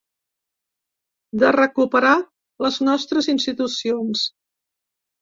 De recuperar les nostres institucions.